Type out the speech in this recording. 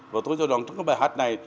và tôi cho rằng trong cái bài hát này